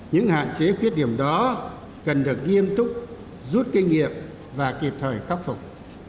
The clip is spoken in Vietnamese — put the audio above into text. những hạn chế khuyết điểm đó cần được nghiêm túc rút kinh nghiệm và kịp thời khắc phục